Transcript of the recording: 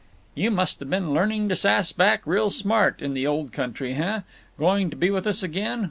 "You must have been learning to sass back real smart, in the Old Country, heh? Going to be with us again?